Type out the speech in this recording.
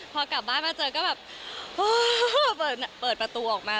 พอกลับบ้านมาเจอก็แบบเปิดประตูออกมา